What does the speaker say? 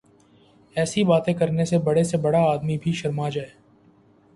ایسی باتیں کرنے سے بڑے سے بڑا آدمی بھی شرما جائے۔